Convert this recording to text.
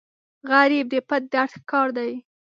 غریب د پټ درد ښکار دی